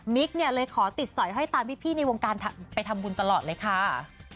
เนี่ยเลยขอติดสอยห้อยตามพี่ในวงการไปทำบุญตลอดเลยค่ะ